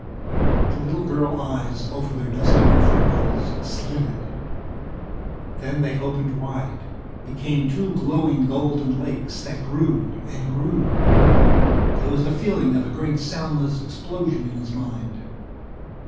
The little girl eyes over their dusting of freckles slitted. Then they opened wide, became two glowing golden lakes that grew, and grew There was the feeling of a great soundless explosion in his mind.